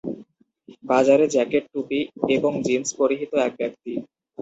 বাজারে জ্যাকেট, টুপি এবং জিন্স পরিহিত এক ব্যক্তি